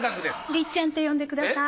りっちゃんって呼んでください。